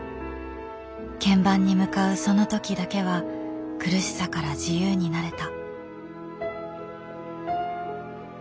鍵盤に向かうそのときだけは苦しさから自由になれた。